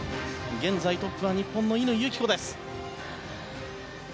現在トップは日本の乾友紀子。